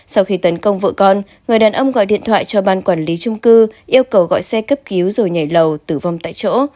sau khi tấn công vợ con người đàn ông gọi điện thoại cho ban quản lý trung cư yêu cầu gọi xe cấp cứu rồi nhảy lầu tử vong tại chỗ